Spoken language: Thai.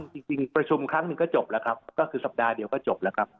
จริงประชุมครั้งหนึ่งก็จบแล้วครับก็คือสัปดาห์เดียวก็จบแล้วครับ